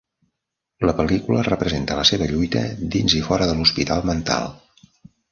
La pel·lícula representa la seva lluita, dins i fora de l'hospital mental.